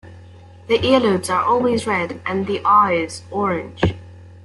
The earlobes are always red, and the eyes orange.